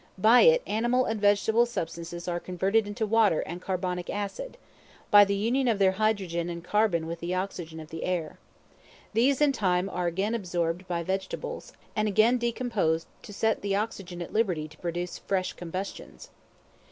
By it animal and vegetable substances are converted into water and carbonic acid, by the union of their hydrogen and carbon with the oxygen of the air. These, in time, are again absorbed by vegetables, and again decomposed to set the oxygen at liberty to produce fresh combustions.